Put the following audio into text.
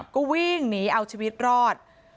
ก็วิ่งหนีเอาชีวิตรอด